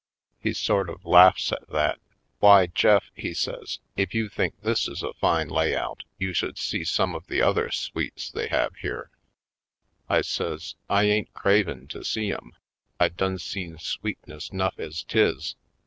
He sort of laughs at that. *Why, Jeff," he says, "if you think this is a line lay out you should see some of the other suites they have here." I says: "I ain't cravin' to see 'em. I done seen sweetness 'nuff ez 'tis.